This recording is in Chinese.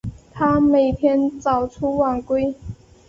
他每天早出晚归